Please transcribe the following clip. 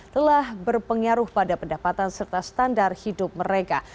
telah berpengaruh pada pendapatan serta standar hidup mereka